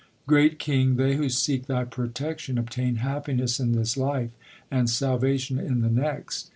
Great king, they who seek thy protection obtain happiness in this life and salvation in the next.